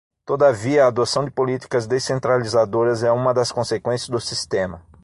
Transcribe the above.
Todavia, a adoção de políticas descentralizadoras é uma das consequências do sistema